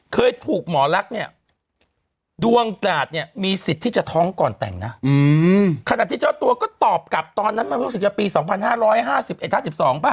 เคยถูกหมอลักษณ์เนี่ยดวงกราดเนี่ยมีสิทธิ์ที่จะท้องก่อนแต่งนะขณะที่เจ้าตัวก็ตอบกลับตอนนั้นมันรู้สึกจะปี๒๕๕๑๕๒ป่ะ